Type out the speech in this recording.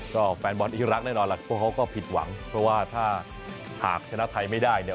ก็แฟนบอลอีรักแน่นอนล่ะพวกเขาก็ผิดหวังเพราะว่าถ้าหากชนะไทยไม่ได้เนี่ย